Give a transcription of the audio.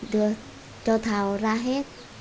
đưa cho thảo ra hết